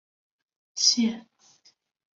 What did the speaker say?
现存大部分的目多在白垩纪或之前就已出现。